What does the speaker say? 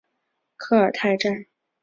科尔泰站